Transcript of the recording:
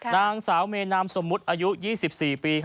นางสาวเมนามสมมุติอายุ๒๔ปี